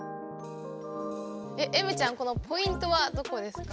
えむちゃんこのポイントはどこですか？